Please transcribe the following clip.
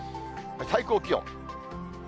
最高気温。